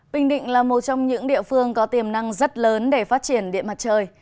bình định là một trong những địa phương có tiềm năng rất lớn để phát triển điện mặt trời